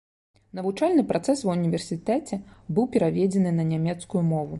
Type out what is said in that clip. Навучальны працэс ва ўніверсітэце быў пераведзены на нямецкую мову.